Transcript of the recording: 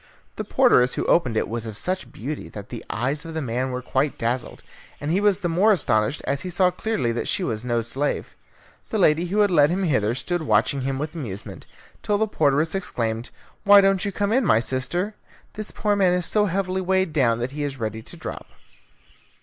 The porteress who opened it was of such beauty that the eyes of the man were quite dazzled, and he was the more astonished as he saw clearly that she was no slave. The lady who had led him hither stood watching him with amusement, till the porteress exclaimed, "Why don't you come in, my sister? This poor man is so heavily weighed down that he is ready to drop."